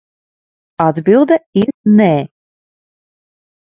Atbilde ir nē.